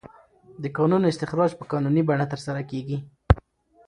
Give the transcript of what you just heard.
د کانونو استخراج په قانوني بڼه ترسره کیږي.